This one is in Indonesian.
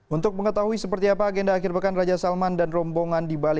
untuk mengetahui seperti apa agenda akhir pekan raja salman dan rombongan di bali